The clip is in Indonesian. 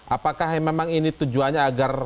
apakah memang ini tujuannya agar